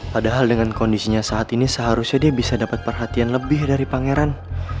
padahal dengan kondisinya saat ini seharusnya dia bisa dapat perhatian lebih dari pangeran